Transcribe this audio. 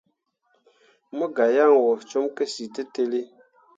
Mo gah yan wo com kǝsyiltǝlli.